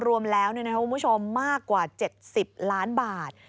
รวมแล้วนะครับว่าผู้ชมมากกว่า๗๐ล้านบาท